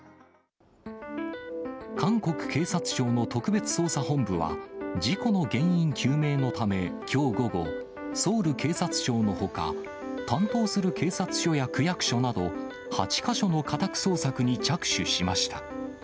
韓国警察庁の特別捜査本部は、事故の原因究明のため、きょう午後、ソウル警察庁のほか、担当する警察署や区役所など、８か所の家宅捜索に着手しました。